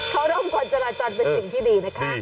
เขาร่มคนจราจรเป็นสิ่งที่ดีนะคะ